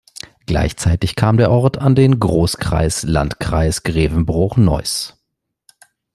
Gleichzeitig kam der Ort an den Großkreis Landkreis Grevenbroich-Neuß.